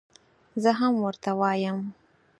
زه هم ورته وایم.